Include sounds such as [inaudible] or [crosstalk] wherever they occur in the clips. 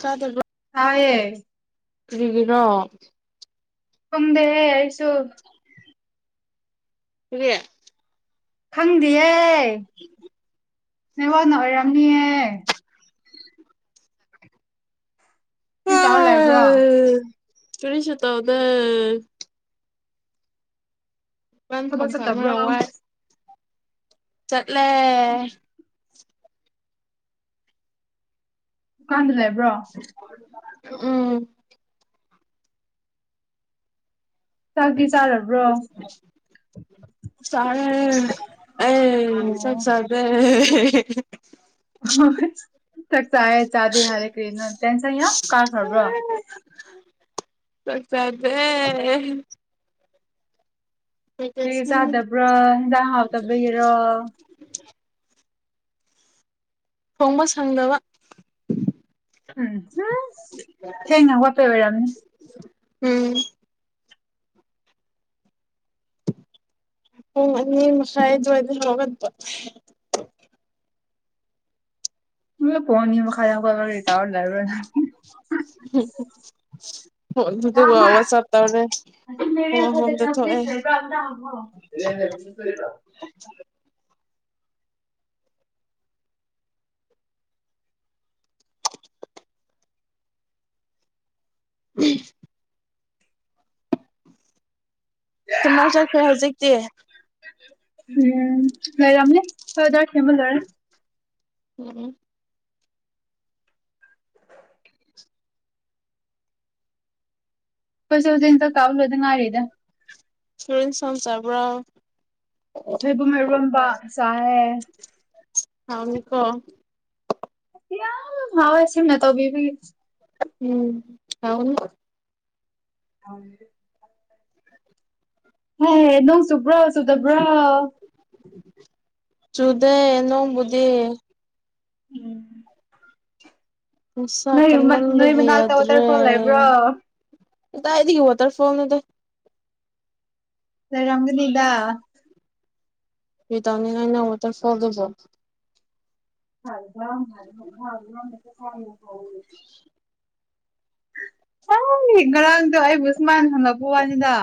ꯆꯥꯗꯣꯢꯕ꯭ꯔꯣ ꯇꯥꯌꯦ ꯀꯔꯤꯒꯤꯅꯣ ꯇꯨꯝꯗꯦ ꯍꯦ ꯑꯩꯁꯨ ꯀꯔꯤ ꯈꯪꯗꯦꯌꯦ ꯅꯋꯥꯅ ꯑꯣꯏꯔꯝꯅꯤꯌꯦ ꯀ꯭ꯔꯤ ꯇꯧꯔ ꯂꯩꯕ꯭ꯔꯣ ꯀ꯭ꯔꯤꯁꯨ ꯇꯧꯗꯦ ꯥꯉꯅꯨ ꯊꯕꯛ ꯊꯣꯡꯁꯥ ꯆꯠꯇꯕ꯭ꯔꯣ ꯑꯃꯒ ꯋꯥꯠꯂꯤ ꯆꯠꯂꯦ ꯗꯨꯀꯥꯟꯗ ꯂꯩꯕ꯭ꯔꯣ ꯎꯝ ꯇ꯭ꯔꯚꯤꯁ [unintelligible] ꯆꯔꯦ ꯑꯦ ꯑꯦ ꯆꯛ ꯑꯣ ꯆꯥꯗꯦ ꯆꯥꯛ ꯆꯥꯌꯦ ꯆꯥꯗꯦ ꯍꯥꯏꯔꯦ ꯀꯔꯤꯅ ꯇꯦꯟꯁꯟ ꯌꯥꯝ ꯀꯥꯈ꯭ꯔꯕ꯭ꯔꯥ ꯆꯛ ꯆꯥꯗꯦ ꯀꯩꯒꯤ ꯆꯥꯗꯕ꯭ꯔꯥ ꯍꯟꯖꯥꯡ ꯍꯥꯎꯇꯕꯒꯤꯔꯣ ꯊꯣꯡꯕ ꯁꯪꯗꯕ ꯑꯝ ꯍꯥꯏꯁ ꯊꯦꯡꯅ ꯍꯧꯒꯠꯄꯩ ꯑꯣꯏꯔꯝꯅꯤ ꯎꯝ ꯄꯨꯡ ꯑꯅꯤꯃꯈꯥꯏ ꯑꯗꯨꯋꯥꯏꯗ ꯍꯧꯒꯠꯄ ꯎꯝ ꯄꯨꯡ ꯑꯅꯤ ꯃꯈꯥꯏꯗ ꯍꯧꯒꯠꯂꯒ ꯀꯔꯤ ꯇꯧꯔꯥꯂꯩꯕ꯭ꯔꯣ ꯅꯪ ꯄꯨꯡ ꯑꯗꯨꯗꯀꯣ ꯋꯥꯆꯞꯇꯧꯔ ꯄꯨꯡ ꯑꯍꯨꯝꯗ ꯊꯣꯛꯑꯦ ꯎꯝ ꯇꯨꯃꯔ ꯆꯠꯈ꯭ꯔꯦ ꯍꯧꯖꯤꯛꯇꯤ ꯎꯝ ꯂꯩꯔꯝꯅꯤ ꯍꯣꯏꯗ ꯁꯦꯃ ꯂꯣꯏꯔꯦ ꯎꯝ ꯎꯝ ꯑꯈꯣꯏꯖꯨ ꯍꯧꯖꯤꯛ ꯍꯟꯇꯛ ꯇꯧꯔ ꯂꯣꯏꯗ ꯉꯥꯏꯔꯤꯗ ꯀꯤꯍꯣꯝꯆꯥꯕ꯭ꯔꯣ ꯁꯣꯏꯕꯨꯝ ꯏꯔꯣꯝꯕ ꯆꯥꯏꯑꯦ ꯀꯣ ꯌꯥꯝ ꯉꯥꯎꯑꯦ ꯁꯤꯝꯅ ꯇꯧꯕꯤꯕꯒꯤ ꯎꯝ ꯍꯥꯎꯅꯤ [inaudible] ꯍꯩ ꯅꯣꯡ ꯆꯨꯕ꯭ꯔꯣ ꯆꯨꯗꯕ꯭ꯔꯣ ꯆꯨꯗꯦ ꯅꯣꯡꯕꯨꯗꯤ ꯎꯝ ꯅꯨꯡꯁꯥ ꯅꯣꯏ ꯅꯣꯏ ꯀꯟꯃꯟꯕꯒꯤ ꯃꯅꯥꯛꯇ ꯌꯥꯗ꯭ꯔꯦ ꯋꯥꯇꯔꯐꯣꯜ ꯂꯩꯕ꯭ꯔꯣ ꯀꯗꯥꯏꯗꯒꯤ ꯋꯥꯇꯔ ꯐꯣꯜꯅꯣꯗ ꯂꯩꯔꯝꯒꯅꯤꯗ ꯀꯔꯤ ꯇꯧꯅꯤꯡꯉꯥꯏꯅꯣ ꯋꯥꯇꯔ ꯐꯣꯜꯗꯨꯕꯣ [unintelligible] [inaudible] ꯍꯥꯢ ꯉꯔꯥꯡꯗ ꯑꯩꯕꯨ ꯁꯨꯃꯥꯏꯅ ꯍꯪꯉꯛꯄ ꯋꯥꯅꯤꯗ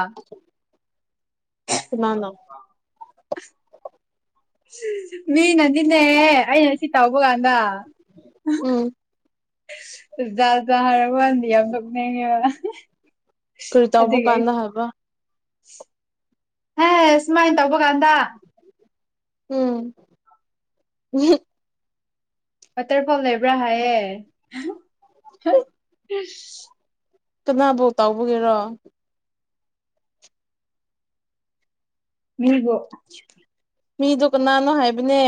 ꯀꯅꯥꯅꯣ [inaudible] ꯃꯤ ꯅ ꯅꯤꯅꯦ ꯑꯩꯅ ꯁꯤ ꯇꯧꯕ ꯀꯥꯟꯗ [inaudible] ꯎꯝ ꯆꯨꯖꯥꯛ ꯆꯨꯖꯥꯛ ꯍꯥꯏꯔꯛꯄ ꯀꯥꯟꯗ ꯌꯥꯝ ꯅꯣꯛꯅꯤꯡꯉꯦꯕ ꯀꯔꯤ ꯇꯧꯕ ꯑꯗꯨꯒꯤ ꯑꯩ ꯀꯥꯟꯗ ꯍꯥꯏꯕ ꯍꯦ ꯁꯨꯃꯥꯏ ꯇꯧꯕ ꯀꯥꯟꯗ ꯎꯝ [inaudible] ꯋꯥꯇꯔꯐꯣꯜ ꯂꯩꯕ꯭ꯔ ꯍꯥꯏꯌꯦ [inaudible] ꯇꯨꯅꯥꯕꯨꯛ ꯇꯧꯕꯒꯤꯔꯣ ꯃꯤꯕꯨ ꯃꯤꯗꯣ ꯀꯅꯥꯅꯣ ꯍꯥꯏꯕꯅꯦ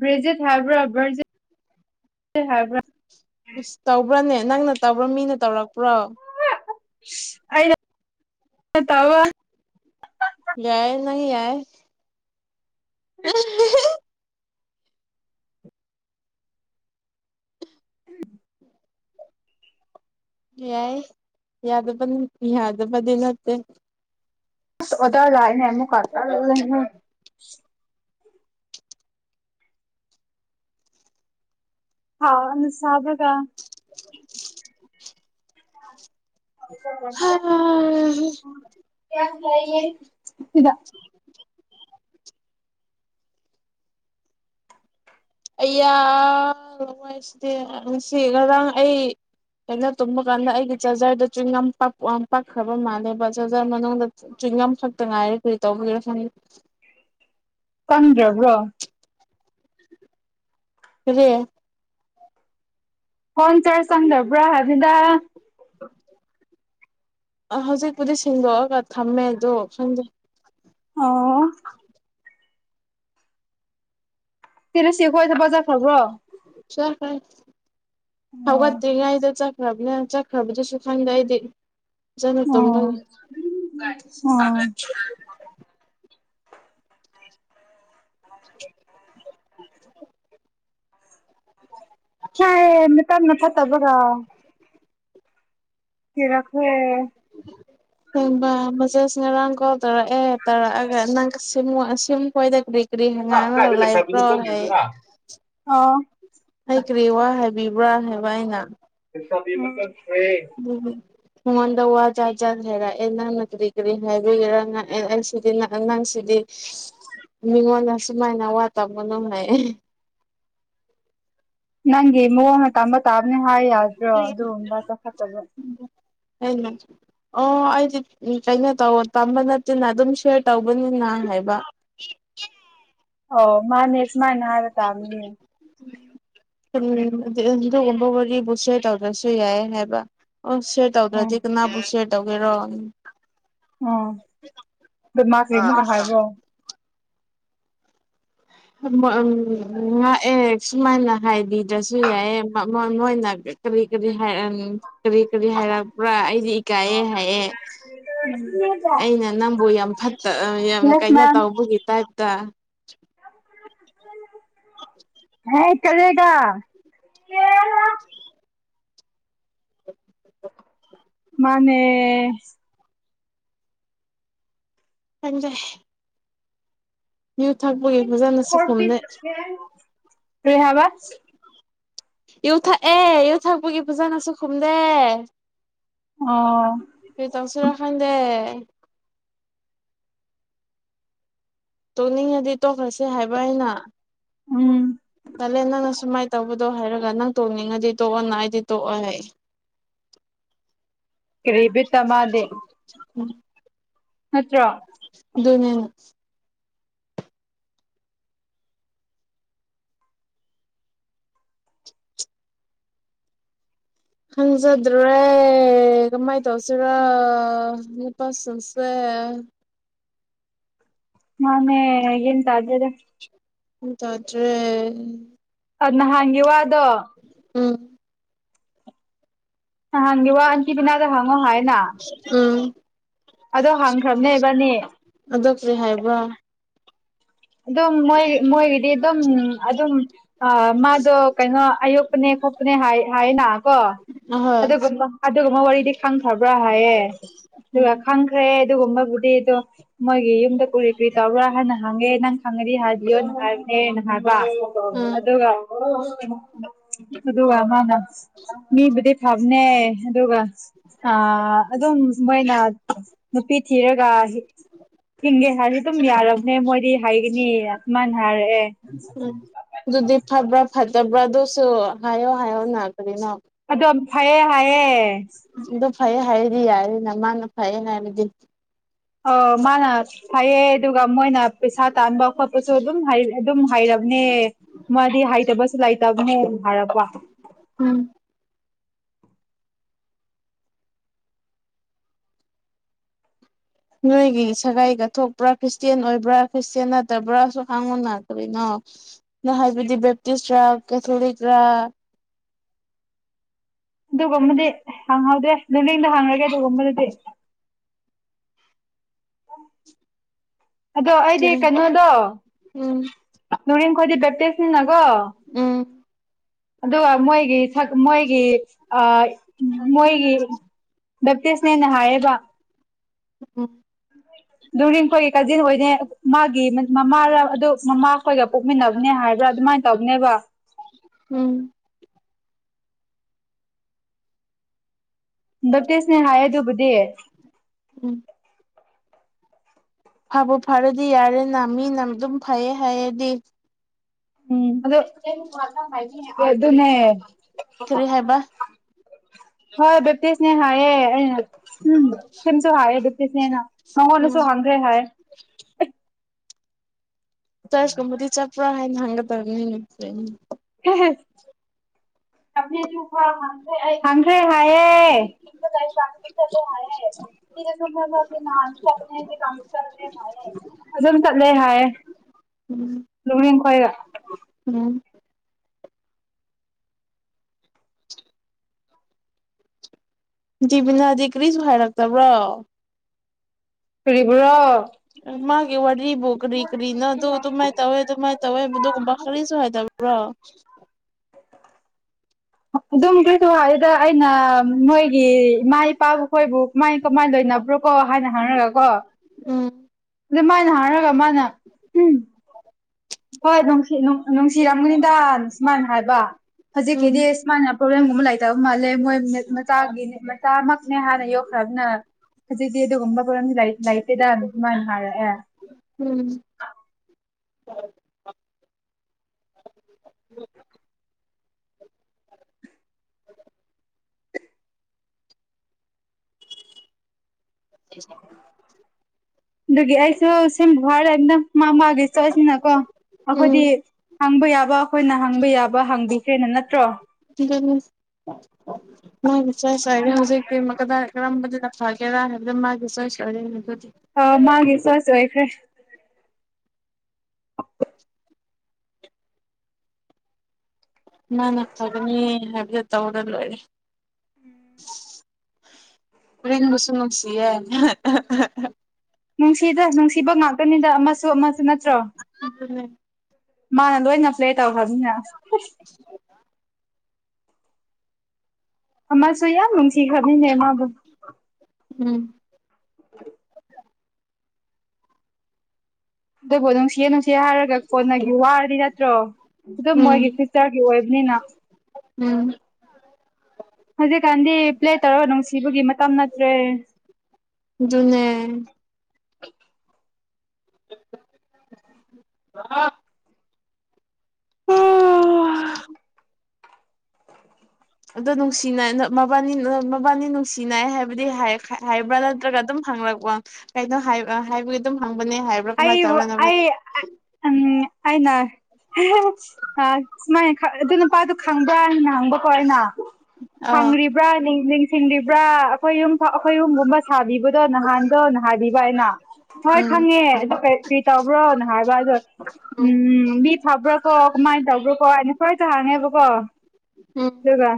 ꯕ꯭ꯔꯤꯖꯤꯠ ꯍꯥꯏꯕ꯭ꯔ ꯕꯔꯖꯤꯠ ꯍꯥꯏꯕ꯭ꯔ ꯏꯁ ꯇꯧꯕ꯭ꯔꯅꯦ ꯅꯪꯅ ꯇꯧꯕ꯭ꯔ ꯃꯤꯅ ꯇꯧꯔꯛꯄ꯭ꯔꯣ ꯑꯩꯩꯅ [inaudible] ꯇꯧꯑꯦ [inaudible] ꯌꯥꯏꯌꯦ ꯅꯪ ꯌꯥꯏꯌꯦ [inaudible] ꯌꯥꯏ ꯌꯥꯗꯕ ꯌꯥꯗꯕꯗꯤ ꯅꯠꯇꯦ ꯑꯁ ꯑꯣꯖꯥ ꯂꯥꯛꯑꯦꯅ ꯑꯃꯨꯛꯀꯥ ꯇꯜꯂꯦꯍꯦ [unintelligible] [inaudible] [inaudible] ꯌꯦꯁ ꯂꯩꯌꯦ ꯁꯤꯗ ꯑꯩꯌꯥ ꯋꯥꯏꯠꯁꯤꯗꯤ ꯉꯁꯤ ꯉꯔꯥꯡ ꯑꯩ ꯑꯩꯅ ꯇꯨꯝꯕ ꯀꯥꯟꯗ ꯑꯩꯒꯤ ꯆꯥꯔꯖꯔꯗꯨ ꯆ꯭ꯋꯤꯡꯒꯝ ꯄꯛ ꯄꯛꯈ꯭ꯔꯕ ꯃꯥꯜꯂꯦꯕ ꯆꯥꯔꯖꯔ ꯃꯅꯨꯡꯗ ꯆꯤꯡ ꯄꯤꯡꯉꯝ ꯈꯛꯇ ꯉꯥꯏꯔꯦ ꯀꯔꯤ ꯇꯧꯕꯩꯔ ꯁꯅꯤ ꯀꯪꯗ꯭ꯔꯕ꯭ꯔꯣ ꯔꯦ ꯀꯣꯟꯖꯦ ꯆꯪꯈꯕ꯭ꯔ ꯍꯥꯏꯅꯤꯗ ꯑ ꯍꯧꯖꯤꯛꯄꯨꯗꯤ ꯁꯦꯡꯗꯣꯛꯑꯒ ꯊꯝꯃꯦꯗꯣ ꯈꯪꯗꯦ ꯑꯣ [inaudible] ꯇꯤꯔꯁꯤ ꯈꯣꯏꯗꯣ ꯕꯖ ꯈ꯭ꯔꯕꯣ ꯆꯠꯈ꯭ꯔꯦ ꯑꯣ ꯍꯧꯒꯠꯇ꯭ꯔꯤ ꯉꯩꯗ ꯆꯠ ꯈ꯭ꯔꯕꯅꯦ ꯆꯠꯈ꯭ꯔꯕꯗꯨꯁꯨ ꯈꯪꯗꯦ ꯑꯩꯗꯤ ꯐꯖꯅ ꯇꯨꯝꯕꯒꯤ ꯎꯝ [inaudible] ꯎꯝ [inaudible] ꯍꯥꯏ ꯃꯇꯝꯅ ꯐꯠꯇꯕꯒ ꯊꯤꯔꯛꯈ꯭ꯔꯦ [inaudible] ꯇꯝꯕ ꯃꯖꯥꯁ ꯉꯔꯥꯡ ꯀꯣꯜ ꯇꯧꯔꯛꯑꯦ ꯇꯧꯔꯛꯑꯒ ꯅꯪꯀꯁꯤꯝ ꯑꯁꯤꯝ ꯍꯣꯏꯗ ꯀ꯭ꯔꯤ ꯀ꯭ꯔꯤ ꯉꯥꯡꯂ ꯂꯩꯕ꯭ꯔꯣ ꯍꯥꯏꯌꯦ ꯑꯣ ꯑꯩ ꯀ꯭ꯔꯤ ꯋꯥ ꯍꯥꯏ ꯕꯤꯕꯨꯔꯥꯟ ꯍꯥꯏꯕ ꯑꯩꯅ [unintelligible] ꯎꯝꯝ ꯃꯉꯣꯟꯗ ꯋꯥ ꯖꯥꯠ ꯖꯥꯠ ꯍꯥꯏꯔꯛꯑꯦ ꯅꯪꯅ ꯀꯔꯤ ꯀꯔꯤ ꯍꯥꯏꯕꯤꯒꯦꯔꯥꯅ ꯑꯦ ꯑꯩ ꯁꯤꯗꯤ ꯅ ꯅꯪ ꯁꯤꯗꯤ ꯃꯤꯉꯣꯟꯗ ꯁꯨꯃꯥꯏꯅ ꯋꯥ ꯇꯝꯒꯅꯨ ꯍꯥꯏꯌꯦ ꯅꯪꯒꯤ ꯃꯑꯣꯡꯗ ꯇꯕ ꯇꯥꯕꯅꯦ ꯍꯥꯏ ꯌꯥꯗ꯭ꯔꯣ ꯑꯗꯨꯒꯨꯝꯕ ꯆꯥꯎꯈꯠꯇꯥꯕ ꯑꯩꯅ ꯑꯣ ꯑꯩꯗꯤ ꯀꯩꯅꯣ ꯇꯧ ꯇꯝꯕ ꯅꯠꯇꯦꯅ ꯑꯗꯨꯝ ꯁꯦꯌꯔ ꯇꯧꯕꯅꯤꯅ ꯍꯥꯏꯕ ꯑꯧ ꯃꯥꯅꯦ ꯁꯨꯃꯥꯅ ꯍꯥꯏꯕ ꯇꯥꯕꯅꯤ ꯎ ꯑꯗꯨꯒꯨꯝꯕ ꯋꯥꯔꯤꯕꯨ ꯁꯤꯌꯥꯕ ꯇꯧꯗ꯭ꯔꯁꯨ ꯌꯥꯏ ꯍꯥꯏꯕ ꯑꯣ ꯁꯤꯦꯌꯔ ꯎꯝ ꯇꯧꯗ꯭ꯔꯗꯤ ꯀꯅꯥꯕꯨ ꯁꯦꯌꯔ ꯇꯧꯒꯦꯔꯣ ꯎꯥ ꯀꯅꯥꯒꯤ ꯏꯃꯨꯡꯅ ꯍꯥꯏꯕ꯭ꯔꯣ ꯎ ꯅꯨꯉꯥꯛꯑꯦ ꯁꯨꯃꯥꯏꯅ ꯍꯥꯏꯕꯤꯗ꯭ꯔꯁꯨ ꯌꯥꯏꯑꯕ ꯃ ꯃꯣꯏꯅ ꯀꯔꯤ ꯀꯔꯤ ꯍꯥꯏꯔ ꯀꯔꯤ ꯀꯔꯤ ꯍꯥꯏꯔꯛꯄ꯭ꯔꯥ ꯑꯩꯗꯤ ꯏꯀꯥꯏꯑꯦ ꯍꯥꯏꯌꯦ ꯌꯦꯁ ꯑꯩꯅ ꯅꯪꯕꯨ ꯌꯥꯝ ꯐꯠꯇ ꯌꯥꯝ ꯀꯩꯅꯣ ꯃꯦꯝ ꯇꯧꯕꯒꯤ ꯇꯥꯏꯞ ꯇꯥ ꯍꯦꯠ ꯇꯜꯂꯦꯗꯥ ꯃꯥꯅꯦ ꯇꯟꯖꯩ ꯌꯨ ꯊꯛꯄꯩ ꯒꯤ ꯐꯖꯅꯁꯨ ꯇꯨꯝꯗꯦ ꯀꯔꯤ ꯍꯥꯏꯕ ꯌꯨ ꯊꯛꯑꯦ ꯌꯨ ꯊꯛꯄꯒꯤ ꯐꯖꯅꯁꯨ ꯈꯨꯝꯗꯦ ꯑꯣ ꯀꯔꯤ ꯇꯧꯁꯤꯔꯥ ꯈꯪꯗꯦ ꯇꯣꯛꯅꯤꯡꯉꯗꯤ ꯇꯣꯛꯈ꯭ꯔꯁꯦ ꯍꯥꯏꯕ ꯑꯩꯅ ꯎꯝ ꯇꯜꯂꯦ ꯅꯪ ꯑꯁꯨꯃꯥꯏ ꯇꯧꯕ ꯑꯗꯣ ꯍꯥꯏꯔꯒ ꯅꯪ ꯇꯣꯛꯅꯤꯡꯉꯗꯤ ꯇꯣꯛꯑꯣꯅ ꯑꯩꯗꯤ ꯇꯣꯛꯑꯣ ꯍꯥꯏ ꯀꯔꯤ ꯕꯤꯠꯇ ꯃꯥꯗꯤ ꯎꯝ ꯅꯠꯇ꯭ꯔꯣ ꯑꯗꯨꯅꯦ ꯍꯪꯖꯗ꯭ꯔꯦ ꯀꯃꯥꯏ ꯇꯧꯁꯤꯔ ꯅꯨꯄꯥ ꯁꯤꯡ ꯁꯦ ꯃꯥꯅꯦ ꯒ꯭ꯌꯦꯟ ꯇꯥꯏꯗꯦꯗ ꯍꯨ ꯆꯥꯗ꯭ꯔꯦ ꯑ ꯅꯍꯥꯟꯒꯤ ꯋꯥꯗꯣ ꯎꯝ ꯅꯍꯥꯟ ꯒꯤ ꯋꯥ ꯑꯟꯇꯤ ꯀꯅꯥꯗ ꯍꯪꯉꯣ ꯍꯥꯢꯅ ꯎꯝ ꯑꯗꯣ ꯍꯪꯈ꯭ꯔꯕꯅꯦ ꯏꯕꯅꯤ ꯀ꯭ꯔꯤ ꯍꯥꯏꯕ꯭ꯔꯥ ꯑꯗꯨꯝ ꯃꯣꯏ ꯃꯣꯏꯒꯤꯗꯤ ꯑꯗꯨꯝ ꯑꯗꯨꯝ ꯑ ꯃꯥꯗꯣ ꯀꯩꯅꯣ ꯑꯌꯣꯛꯄꯅꯦ ꯈꯣꯠꯄꯅꯦ ꯍꯥꯏ ꯍꯥꯏꯅ ꯀꯣ ꯑꯍꯣꯏ ꯑꯗꯨꯒꯨꯝꯕ ꯑꯗꯨꯒꯨꯝꯕ ꯋꯥꯔꯤꯗꯤ ꯈꯪꯈ꯭ꯔꯕ꯭ꯔꯥ ꯍꯥꯏꯌꯦ ꯑꯗꯨꯒ ꯎꯝ ꯈꯪꯈ꯭ꯔꯦ ꯑꯗꯨꯒꯨꯝꯕꯕꯨꯗꯤ ꯑꯗꯨ ꯃꯣꯏꯒꯤ ꯌꯨꯝꯗ ꯀ꯭ꯔꯤ ꯀ꯭ꯔꯤ ꯇꯧꯕ꯭ꯔꯥ ꯍꯥꯏꯅ ꯍꯪꯉꯦ ꯈꯪꯍꯗꯤ ꯍꯥꯏꯕꯤꯌꯣꯅ ꯍꯥꯏꯕꯅꯦꯅ ꯍꯥꯏꯕ ꯎꯝ ꯑꯗꯨꯒ ꯑꯗꯨꯒ ꯃꯥꯅ ꯃꯤꯕꯨꯗꯤ ꯐꯕꯅꯦ ꯑꯗꯨꯒ ꯑ ꯑꯗꯨꯝ ꯃꯣꯏꯅ ꯅꯨꯄꯤ ꯊꯤꯔꯒ ꯍꯤꯡꯒꯦ ꯍꯥꯏꯔꯤ ꯗꯨ ꯌꯥꯔꯕꯅꯦ ꯃꯣꯏꯗꯤ ꯁꯨꯃꯥꯏꯅ ꯍꯥꯏꯔꯛꯑꯦ ꯑꯗꯨꯗꯤ ꯐꯥꯕ꯭ꯔꯥ ꯐꯠꯇ ꯕ꯭ꯔꯥ ꯗꯨꯁꯨ ꯍꯢꯌꯣ ꯍꯥꯏꯌꯣꯅ ꯀꯔꯤꯅꯣ ꯑꯗꯨꯝ ꯐꯩꯌꯦ ꯍꯥꯏꯌꯦ ꯑꯗꯨ ꯐꯩꯌꯦ ꯍꯥꯏꯔꯗꯤ ꯌꯥꯔꯦꯅ ꯃꯥꯅ ꯐꯩꯌꯦ ꯍꯥꯏꯔꯗꯤ ꯑꯣ ꯃꯥꯅ ꯐꯩꯌꯦ ꯑꯗꯨꯒ ꯃꯣꯏꯅ ꯄꯩꯁꯥ ꯇꯥꯟꯕ ꯈꯣꯠꯄꯁꯨ ꯑꯗꯨꯝ ꯑꯗꯨꯝ ꯍꯥꯏꯔꯕꯅꯦ ꯃꯥꯗꯤ ꯍꯥꯏꯇꯕ ꯂꯩꯇꯥꯕꯅꯦ ꯍꯥꯏꯔꯕ ꯎꯝ ꯅꯣꯏꯒꯤ ꯁꯒꯥꯏꯒ ꯊꯣꯛꯄ꯭ꯔ ꯈ꯭ꯔꯤꯁꯇꯦꯟ ꯑꯣꯏꯕ꯭ꯔ ꯈ꯭ꯔꯤꯁꯇꯤꯌꯦꯟ ꯅꯠꯇꯕ꯭ꯔꯁꯨ ꯍꯥꯡꯉꯣꯅ ꯀꯔꯤꯅꯣ ꯍꯥꯏꯕꯗꯤ ꯕꯦꯞꯇꯤꯁꯔ ꯀꯦꯊꯣꯂꯤꯛ ꯔ ꯑꯗꯨꯒꯨꯝꯕꯗꯤ ꯍꯪꯍꯧꯗ꯭ꯔꯦ ꯗꯣꯂꯤꯗ ꯍꯪꯔꯒꯦ [unintelligible] ꯑꯗꯣ ꯑꯩꯗꯤ ꯀꯔꯤ ꯀꯩꯅꯣꯗꯣ ꯎꯝ ꯅꯨꯔꯦꯝꯈꯣꯏꯗꯤ ꯕꯦꯞꯇꯤꯁꯅꯤꯅꯀꯣ ꯎꯝ ꯑꯗꯨꯒ ꯃꯣꯏꯒꯤ ꯁꯛ ꯃꯣꯏꯒꯤ ꯑ ꯃꯣꯏꯒꯤ ꯕꯦꯞꯇꯤꯁꯅꯦꯅ ꯍꯥꯏꯌꯦꯕ ꯎꯝ ꯗꯨꯔꯤꯡꯈꯣꯏꯒꯤ ꯀꯖꯤꯟ ꯍꯣꯏꯅꯦ ꯃꯥꯒꯤ ꯃꯃꯥꯔ ꯑꯗꯨ ꯃꯃꯥ ꯈꯣꯏꯒ ꯄꯣꯛꯃꯤꯟꯅꯕꯅꯦ ꯍꯥꯏꯕ꯭ꯔ ꯑꯗꯨꯃꯥꯢ ꯇꯧꯕꯅꯦꯕ ꯎꯝ ꯕꯦꯞꯇꯤꯁꯅꯦ ꯍꯥꯏꯌꯦ ꯗꯨꯕꯨꯗꯤ ꯎꯝ ꯐꯕꯨ ꯐꯔꯗꯤ ꯌꯥꯔꯦꯅ ꯃꯤꯅ ꯑꯗꯨꯝ ꯐꯩꯌꯦ ꯍꯥꯏꯌꯦꯗꯤ ꯎꯝ ꯑꯗꯨ ꯑꯗꯨꯅꯦ ꯀꯔꯤ ꯍꯥꯏꯕ ꯍꯣꯏ ꯕꯦꯞꯇꯤꯁꯅꯦ ꯍꯥꯏꯌꯦ ꯑꯩꯅ ꯎꯝ ꯊꯨꯟꯁꯨ ꯍꯥꯏꯌꯦ ꯕꯦꯞꯇꯤꯁꯅꯦꯅ ꯎꯝ ꯃꯥꯉꯣꯟꯗꯁꯨ ꯍꯪꯈ꯭ꯔꯦ ꯍꯥꯏ ꯆꯔꯁꯀꯨꯝꯕꯗꯤ ꯆꯠꯄ꯭ꯔ ꯍꯥꯏꯅ ꯍꯪꯒꯗꯕꯅꯤ ꯅꯨ ꯍꯦꯍꯦ [inaudible] ꯍꯪꯈ꯭ꯔꯦ ꯍꯥꯏꯌꯦ [unintelligible] ꯑꯗꯨꯝ ꯆꯠꯂꯦ ꯍꯥꯏꯌꯦ ꯎꯝ ꯂꯨꯔꯤꯡꯈꯣꯏꯒ ꯎꯝ [inaudible] ꯖꯤꯕꯤꯅꯥꯗꯤ ꯀꯔꯤꯁꯨ ꯍꯥꯏꯔꯛꯇꯕ꯭ꯔꯣ ꯀꯔꯤꯕꯨꯔꯣ ꯃꯥꯒꯤ ꯋꯥꯔꯤꯕꯨ ꯀꯔꯤ ꯀꯔꯤ ꯅꯣ ꯗꯨ ꯗꯨꯃꯥꯏ ꯇꯧꯋꯦ ꯗꯨꯃꯥꯏ ꯇꯧꯋꯦ ꯈꯔꯤꯁꯨ ꯍꯥꯏꯗꯕ ꯕ꯭ꯔꯣ ꯑꯗꯨꯝ ꯀ꯭ꯔꯤꯁꯨ ꯍꯥꯏꯗꯦ ꯑꯩꯅ ꯃꯣꯏꯒꯤ ꯏꯃꯥ ꯏꯄꯥꯈꯣꯏꯕꯨ ꯀꯃꯥꯏ ꯀꯃꯥꯏꯅ ꯂꯣꯏꯅꯕ꯭ꯔꯣ ꯀꯣ ꯍꯥꯏꯅ ꯍꯥꯏꯔꯒꯀꯣ ꯎꯝ ꯑꯗꯨ ꯃꯥꯢꯅ ꯍꯥꯏꯔꯒ ꯃꯥꯅ ꯎꯝ ꯍꯣꯏ ꯅꯨꯡꯁꯤ ꯅꯨꯡꯁꯤꯔꯝꯒꯅꯤꯗ ꯁꯨꯃꯥꯏꯅ ꯍꯥꯏꯕ ꯍꯧꯖꯤꯛꯀꯤꯗꯤ ꯎꯝ ꯁꯨꯃꯥꯏꯅ ꯄ꯭ꯔꯣꯕ꯭ꯂꯦꯝꯒꯨꯝꯕ ꯂꯩꯇꯕ ꯃꯥꯜꯂꯦ ꯃꯣꯏ ꯃꯆꯥꯒꯤ ꯃꯆꯥꯃꯛꯅꯦ ꯍꯥꯏꯅ ꯌꯣꯛꯈ꯭ꯔꯕꯅꯦ ꯍꯖꯤꯛꯗꯤ ꯑꯗꯨꯒꯨꯝꯕ ꯄꯔꯝꯗꯤ ꯂꯩꯇꯦꯗ ꯁꯨꯃꯥꯏ ꯍꯥꯏꯔꯛꯑꯦ ꯎꯝ [inaudible] ꯑꯗꯨꯒꯤ ꯑꯩ [unintelligible] ꯑꯩꯈꯣꯏꯗꯤ ꯎꯝ ꯍꯪꯕ ꯌꯥ ꯑꯩꯈꯣꯏꯅ ꯍꯪꯕ ꯌꯥꯕ ꯍꯪꯕꯤꯈ꯭ꯔꯦꯅ ꯅꯠꯇ꯭ꯔꯣ ꯃꯥꯏ ꯃꯆꯥ ꯆꯥꯏꯔꯦ ꯃꯥꯅ ꯍꯧꯖꯤꯛꯇꯤ ꯃꯀꯗꯥꯏ ꯀꯔꯝꯕꯗꯨꯗ ꯐꯒꯦꯔꯥ ꯍꯥꯏꯕꯗꯨ ꯃꯥꯒꯤ ꯆꯣꯏꯁ ꯑꯣꯏꯔꯤꯅꯤ ꯑ ꯃꯥꯒꯤ ꯆꯣꯏꯁ ꯑꯣꯏꯈ꯭ꯔꯦ ꯃꯥꯅ ꯐꯒꯅꯤ ꯍꯥꯏꯕꯗꯣ ꯇꯧꯔ ꯂꯣꯏꯔꯦ [inaudible] ꯍꯣꯔꯦꯟꯕꯨꯁꯨ ꯀꯤꯌꯦ [inaudible] ꯅꯨꯡꯁꯤꯗ ꯅꯨꯡꯁꯤꯕ ꯉꯥꯛꯇꯅꯤꯗ ꯑꯃꯁꯨ ꯑꯃꯁꯨ ꯅꯠꯇ꯭ꯔꯣ ꯑꯗꯨꯅꯦ ꯃꯥꯅ ꯂꯣꯏꯅ ꯄ꯭ꯂꯦ ꯇꯧꯈ꯭ꯔꯝꯅꯤꯅ ꯑꯃꯁꯨ ꯌꯥꯝ ꯅꯨꯡꯁꯤꯈ꯭ꯔꯝꯅꯤꯅꯦ ꯃꯥꯕꯨ ꯎꯝ ꯑꯗꯨꯕꯨ ꯅꯨꯡꯁꯤꯌꯦ ꯅꯨꯡꯁꯤ ꯁꯦ ꯍꯥꯏꯔꯒ ꯀꯣꯟꯅꯒꯤ ꯋꯥꯔꯗꯤ ꯅꯠꯇ꯭ꯔꯣ ꯑꯗꯨꯝ ꯃꯣꯏꯒꯤ ꯎꯝ ꯐ꯭ꯌꯨꯆꯔꯒꯤ ꯑꯣꯏꯕꯅꯤꯅ ꯎꯝ ꯍꯧꯖꯤꯛꯀꯥꯟꯗꯤ ꯄ꯭ꯂꯦ ꯇꯧꯔꯒ ꯅꯨꯡꯁꯤꯕꯒꯤ ꯃꯇꯝ ꯅꯠꯇ꯭ꯔꯦ ꯑꯗꯨꯨꯅꯦ [unintelligible] ꯑꯥ ꯑꯗꯣ ꯅꯨꯡꯁꯤꯅ ꯃꯕꯥꯅꯤ ꯃꯕꯥꯅꯤ ꯅꯨꯡꯁꯤꯅꯏ ꯍꯥꯏꯕꯗꯤ ꯍꯥꯏꯕ꯭ꯔꯥ ꯅꯠꯇ꯭ꯔꯒ ꯑꯗꯨꯝ ꯍꯪꯂꯛꯄ ꯀꯩꯅꯣ ꯍꯥꯏ ꯍꯥꯏꯕꯒꯤ ꯑꯗꯨꯝ ꯍꯪ ꯑꯩꯕꯨ ꯑꯩ ꯎꯝ ꯑꯩꯅ ꯍꯦ ꯍꯦ ꯑꯥ ꯁꯨꯃꯥꯏꯅ ꯑꯗꯨ ꯅꯨꯄꯥꯗꯣ ꯈꯪꯕ꯭ꯔꯥ ꯍꯪꯕꯀꯣ ꯑꯩꯅ ꯑꯥ ꯈꯪ꯭ꯔꯤꯕ꯭ꯔꯥ ꯅꯤꯡ ꯅꯤꯡ ꯍꯤꯟꯗꯤꯕ꯭ꯔꯥ ꯑꯩꯈꯣꯏ ꯌꯨꯝ ꯑꯩꯈꯣꯏ ꯌꯨꯝꯒꯨꯝꯕ ꯁꯥꯕꯤꯕꯗꯣ ꯅꯍꯥꯟꯗꯣ ꯍꯥꯏꯕꯤꯕ ꯍꯥꯏꯅ ꯍꯣꯏ ꯎꯝ ꯈꯪꯉꯦ ꯑꯗꯨ ꯀꯔꯤ ꯇꯧꯕ꯭ꯔꯣꯅ ꯍꯥꯏꯕ ꯑꯗꯣ ꯎꯝ ꯃꯤ ꯐꯕ꯭ꯔꯥ ꯀꯣ ꯀꯃꯥꯏꯅ ꯇꯧꯕ꯭ꯔꯣ ꯀꯣ ꯑꯩꯈꯣꯏꯗ ꯍꯥꯡꯉꯦꯕꯀꯣ ꯎꯝ ꯑꯗꯨꯒ